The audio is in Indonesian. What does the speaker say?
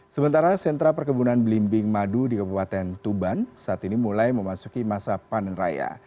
sementara sentra perkebunan belimbing madu di kabupaten tuban saat ini mulai memasuki masa panen raya